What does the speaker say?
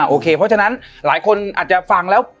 โอเคเพราะฉะนั้นหลายคนอาจจะฟังแล้ว